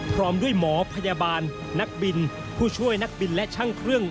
พร้อมด้วยหมอพยาบาลนักบินผู้ช่วยนักบินและช่างเครื่อง